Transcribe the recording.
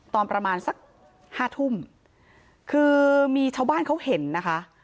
ตอนประมาณสักห้าทุ่มคือมีชาวบ้านเขาเห็นนะคะ